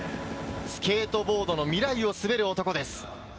スケートボードの未来を滑る男です。